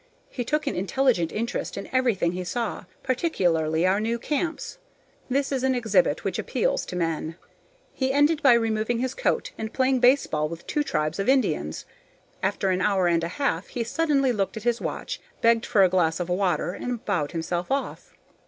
He took an intelligent interest in everything he saw, particularly our new camps. That is an exhibit which appeals to men. He ended by removing his coat, and playing baseball with two tribes of Indians. After an hour and a half he suddenly looked at his watch, begged for a glass of water, and bowed himself off.